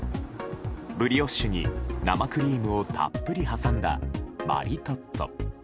ブリオッシュに生クリームをたっぷり挟んだマリトッツォ。